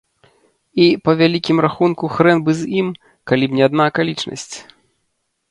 І, па вялікім рахунку, хрэн бы з ім, калі б не адна акалічнасць.